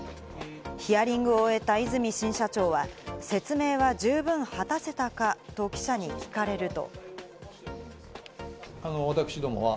ヒアリングを終えた和泉新社長は説明は十分果たせたか？と記者に聞かれると。